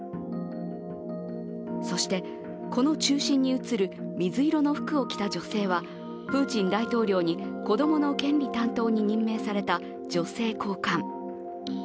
そしてこの中心に映る水色の服を着た女性はプーチン大統領に子供の権利担当に任命された女性高官。